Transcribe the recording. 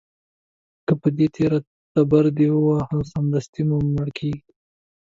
که په دې تېره تبر دې وواهه، سمدستي مړ کېږي.